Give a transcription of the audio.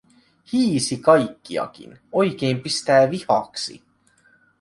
Hiisi kaikkiakin, oikein pistää vihaksi.